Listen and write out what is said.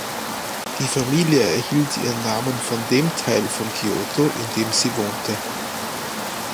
Die Familie erhielt ihren Namen von dem Teil von Kyoto, in dem sie wohnte.